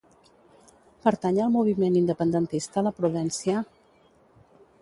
Pertany al moviment independentista la Prudencia?